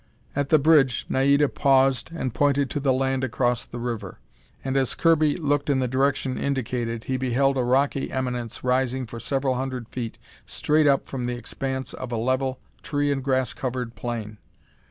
At the bridge, Naida paused and pointed to the land across the river. And as Kirby looked in the direction indicated, he beheld a rocky eminence rising for several hundred feet straight up from the expanse of a level, tree and grass covered plain.